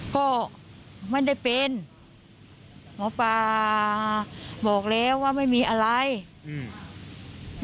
ก็ไม่ได้เป็นหมอปลาบอกแล้วว่าไม่มีอะไรอืม